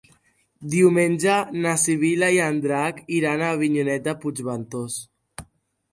Diumenge na Sibil·la i en Drac iran a Avinyonet de Puigventós.